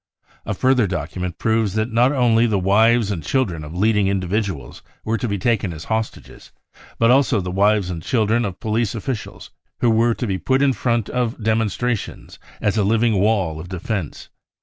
A further document proves that not only the wives and children of leading individuals were to be taken as hostages, but also the wives and children of police officials, who were to be put in front of demon strations as a living wall of defence.